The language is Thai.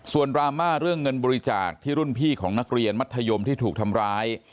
ส่วนดราม่าเรื่องเงินบริจาคที่รุ่นพี่ของนักเรียนมัธยมที่ถูกทำร้าย